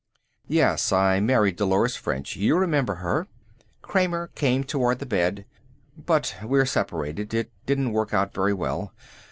"Yes. I married Dolores French. You remember her." Kramer came toward the bed. "But we're separated. It didn't work out very well.